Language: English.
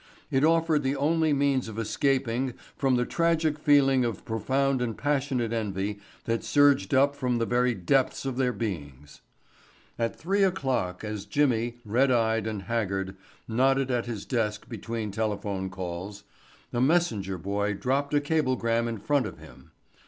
It offered the only means of escaping from the tragic feeling of profound and passionate envy that surged up from the very depths of their beings. At 3 o'clock as Jimmy, red eyed and haggard, nodded at his desk between telephone calls, a messenger boy dropped a cablegram in front of him.